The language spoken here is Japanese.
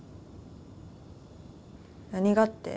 何がって？